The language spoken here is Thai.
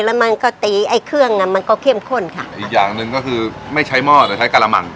แล้วมันก็ตีไอ้เครื่องเนี้ยมันก็เข้มข้นค่ะอีกอย่างหนึ่งก็คือไม่ใช้หม้อหรือใช้กะละมัน